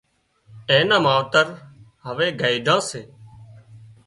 اين نان ماوتر هوي گئيڍان سي